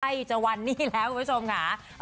ใกล้จะวันนี้แล้วคุณผู้ชมค่ะ